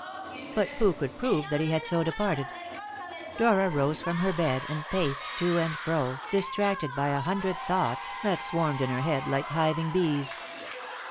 But who could prove that he had so departed? Dora rose from her bed, and paced to and fro, distracted by a hundred thoughts that swarmed in her head like hiving bees.